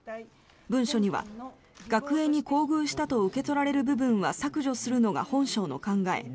文書には、学園に厚遇したと受け取られる部分は削除するのが本省の考え